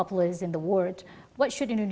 yang mendengar pendidikan